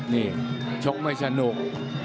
นี่ชกไม่สนุก